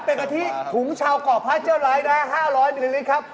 เป็นกะทิถุงชาวก่อพระเจ้าร้ายได้๕๐๐มิลลิลิตรครับ